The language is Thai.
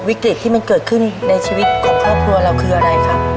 วิกฤตที่มันเกิดขึ้นในชีวิตของครอบครัวเราคืออะไรครับ